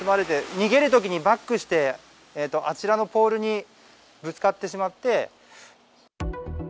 逃げるときにバックして、あちらのポールにぶつかってしまって。